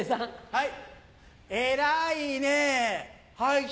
はい。